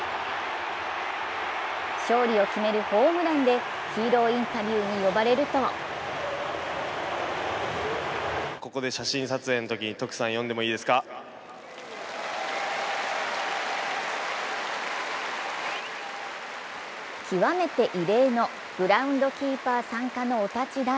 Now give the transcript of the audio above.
勝利を決めるホームランでヒーローインタビューに呼ばれると極めて異例のグラウンドキーパー参加のお立ち台。